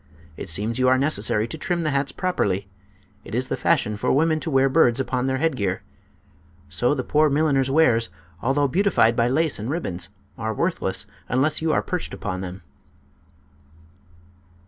It seems you are necessary to trim the hats properly. It is the fashion for women to wear birds upon their headgear. So the poor milliner's wares, although beautified by lace and ribbons, are worthless unless you are perched upon them."